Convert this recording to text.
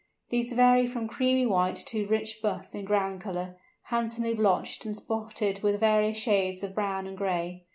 These vary from creamy white to rich buff in ground colour, handsomely blotched and spotted with various shades of brown and gray.